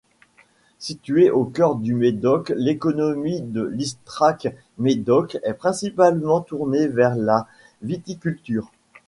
Située au cœur du Médoc, l'économie de Listrac-Médoc est principalement tournée vers la viticulture.